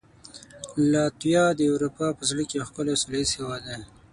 لاتویا د اروپا په زړه کې یو ښکلی او سولهییز هېواد دی.